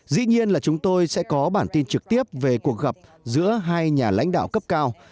dĩ nhiên là chúng tôi sẽ có bản tin trực tiếp về cuộc gặp giữa hai nhà lãnh đạo cấp cao